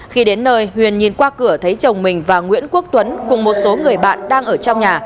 khi đến nơi huyền nhìn qua cửa thấy chồng mình và nguyễn quốc tuấn cùng một số người bạn đang ở trong nhà